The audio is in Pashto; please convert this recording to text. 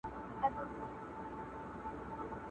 چي يوازي دي لايق د پاچاهانو؛